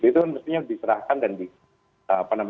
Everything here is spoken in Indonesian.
itu mestinya diserahkan dan